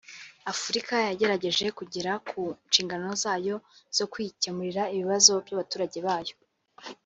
“Afurika yagerageje kugera ku nshingano zayo zo kwikemurira ibibazo by’abaturage bayo